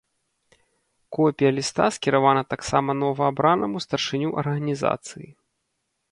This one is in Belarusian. Копія ліста скіравана таксама новаабранаму старшыню арганізацыі.